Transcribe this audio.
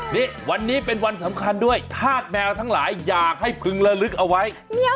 นี่วันนี้เป็นวันสำคัญด้วยธาตุแมวทั้งหลายอยากให้พึงระลึกเอาไว้